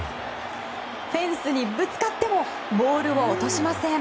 フェンスにぶつかってもボールを落としません。